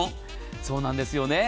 そうなんですよね。